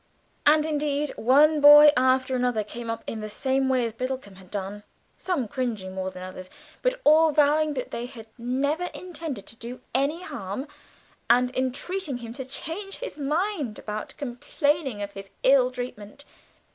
And indeed one boy after another came up in the same way as Biddlecomb had done, some cringing more than others, but all vowing that they had never intended to do any harm, and entreating him to change his mind about complaining of his ill treatment.